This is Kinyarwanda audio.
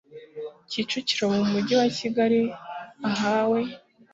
Kicukiro mu Mujyi wa Kigali ahahwe